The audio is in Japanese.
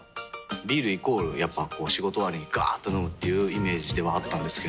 ビールイコールやっぱこう仕事終わりにガーっと飲むっていうイメージではあったんですけど。